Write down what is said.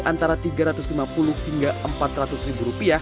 antara rp tiga ratus lima puluh hingga rp empat ratus